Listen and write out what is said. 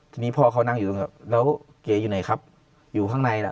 ทีนี้พ่อเขานั่งอยู่ข้างแล้วเก๋อยู่ไหนครับอยู่ข้างในล่ะ